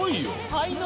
才能！